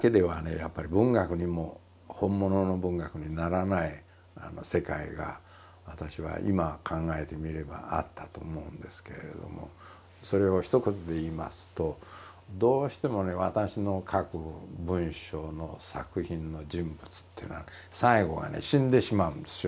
やっぱり文学にも本物の文学にならない世界が私は今考えてみればあったと思うんですけれどもそれをひと言でいいますとどうしてもね私の書く文章の作品の人物っていうのは最後はね死んでしまうんですよ。